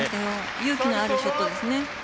勇気のあるショットですね。